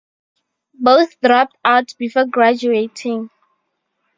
Both dropped out before graduating.